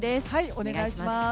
お願いします。